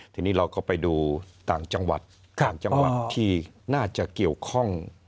ทีนี้เราก็ไปดูต่างจังหวัดต่างจังหวัดที่น่าจะเกี่ยวข้อง